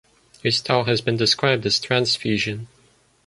Their style has been described as trance fusion.